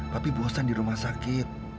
tapi bosan di rumah sakit